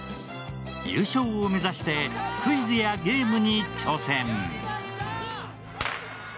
優勝目指してクイズやゲームに挑戦。